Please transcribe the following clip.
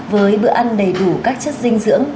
với bữa ăn đầy đủ các chất dinh dưỡng